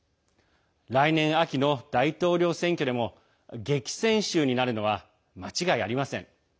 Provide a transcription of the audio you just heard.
来年秋の大統領選挙でも激戦州になるのは間違いありません。